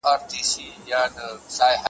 بوډۍ شېبې درته دروړم جانانه هېر مي نه کې ,